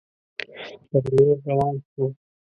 پر لور روان شو.